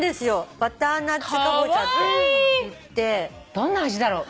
どんな味だろう？